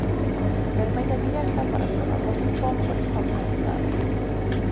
Vermella directa para o xogador nipón por esta dura entrada.